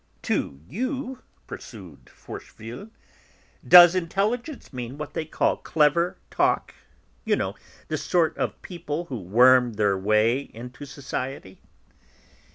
"To you," pursued Forcheville, "does intelligence mean what they call clever talk; you know, the sort of people who worm their way into society?"